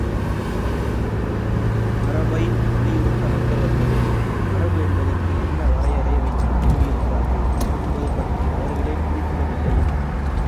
மரபை வலியுறுத்த வந்தவர்கள் மரபு என்பதற்கு என்ன வரையறை வைத்துக்கொண்டிருக்கிறார்கள் என்பது பற்றி அவர்களே குறிப்பிடவில்லை.